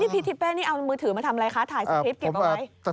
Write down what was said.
นี่พี่ทิศแป้งนี่เอามือถือมาทำอะไรคะถ่ายสกริปเก็บมาไว้